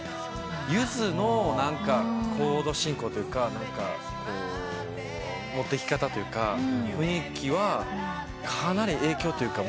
ゆずのコード進行というか持っていき方というか雰囲気はかなり影響というか。